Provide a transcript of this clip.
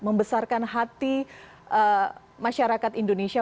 membesarkan hati masyarakat indonesia